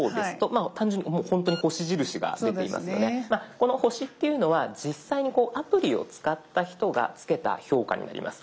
この星っていうのは実際にアプリを使った人がつけた評価になります。